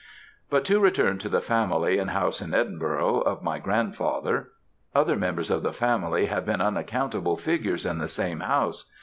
But to return to the family and house in Edinburgh, of my grandfather. Other members of the family have seen unaccountable figures in the same house.